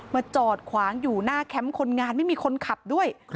จอดขวางอยู่หน้าแคมป์คนงานไม่มีคนขับด้วย